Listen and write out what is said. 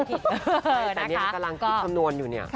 แต่เนี่ยกำลังคิดคำนวณอยู่เนี่ย